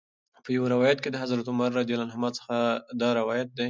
په یو روایت کې د حضرت عمر رض څخه دا روایت